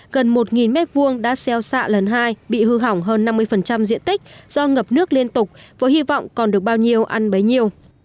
gần một m hai đã xeo xạ lần hai bị hư hỏng hơn năm mươi diện tích do ngập nước liên tục với hy vọng còn được bao nhiêu ăn bấy nhiêu